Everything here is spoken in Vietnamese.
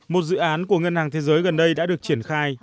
một dự án của ngân hàng thế giới gần đây đã được triển khai